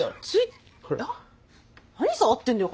何触ってんだよ